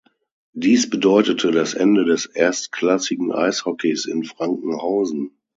Dies bedeutete das Ende des erstklassigen Eishockeys in Frankenhausen.